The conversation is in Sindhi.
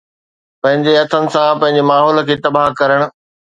پنهنجي هٿن سان پنهنجي ماحول کي تباهه ڪرڻ